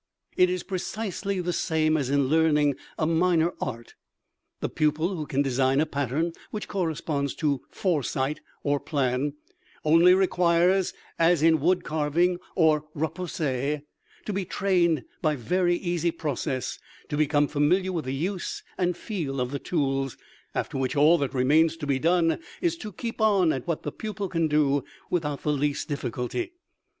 It is precisely the same as in learning a minor art, the pupil who can design a pattern (which corresponds to Foresight or plan), only requires, as in wood carving or repoussé, to be trained by very easy process to become familiar with the use and feel of the tools, after which all that remains to be done is to keep on at what the pupil can do without the least difficulty.